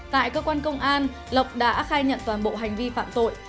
tại cơ quan công an lộc đã khai nhận toàn bộ hành vi phạm tội